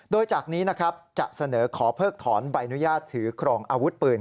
โดยจากนี้นะครับจะเสนอขอเพิกถอนใบอนุญาตถือครองอาวุธปืน